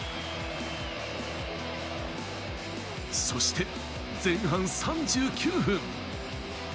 そして前半３９分。